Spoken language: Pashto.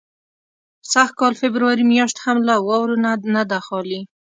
سږ کال فبروري میاشت هم له واورو نه ده خالي.